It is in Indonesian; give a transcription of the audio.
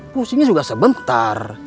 pusingnya juga sebentar